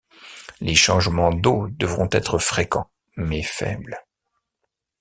Les changements d'eau devront être fréquents, mais faibles.